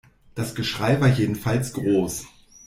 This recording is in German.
Das Geschrei war jedenfalls groß.